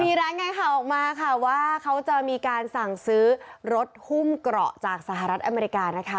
มีรายงานข่าวออกมาค่ะว่าเขาจะมีการสั่งซื้อรถหุ้มเกราะจากสหรัฐอเมริกานะคะ